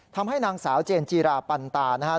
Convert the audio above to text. ทำให้นางสาวเจนจีราปันตานะครับ